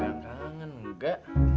kangen kangen engga